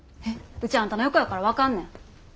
ウチあんたの横やから分かんねん。